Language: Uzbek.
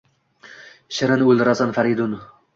Shirin oʼldirasan Faridun.